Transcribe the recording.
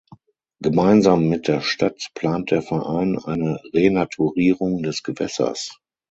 Gemeinsam mit der Stadt plant der Verein eine Renaturierung des Gewässers.